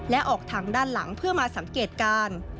และออกทางด้านหลังเพื่อมาสังเกตการ